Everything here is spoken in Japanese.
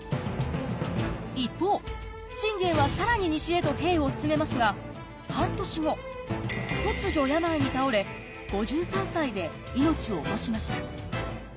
一方信玄は更に西へと兵を進めますが半年後突如病に倒れ５３歳で命を落としました。